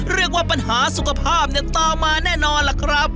เรียกว่าปัญหาสุขภาพเนี่ยตามมาแน่นอนล่ะครับ